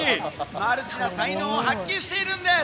マルチな才能を発揮しているんです！